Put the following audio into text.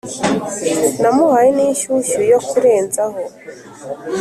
Namuhaye n’inshyushyu yo kurenzaho